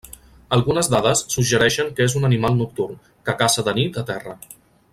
Algunes dades suggereixen que és un animal nocturn, que caça de nit a terra.